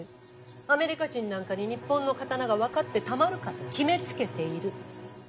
アメリカ人なんかに日本の刀が分かってたまるかと決め付けている。